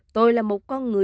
tôi là một con người